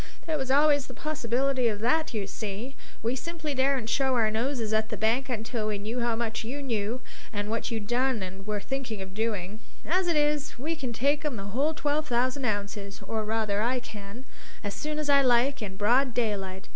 There was always the possibility of that, you see; we simply daren't show our noses at the bank until we knew how much you knew, and what you'd done or were thinking of doing. As it is, we can take 'em the whole twelve thousand ounces, or rather I can, as soon as I like, in broad daylight.